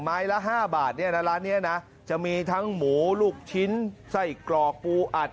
ไม้ละ๕บาทร้านนี้นะจะมีทั้งหมูลูกชิ้นไส้กรอกปูอัด